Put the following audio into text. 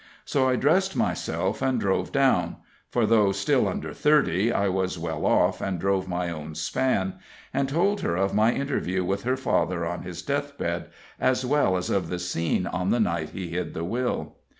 So I dressed myself and drove down for, though still under thirty, I was well off, and drove my own span and told her of my interview with her father, on his deathbed, as well as of the scene on the night he hid the will.